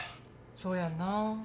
そうやんな。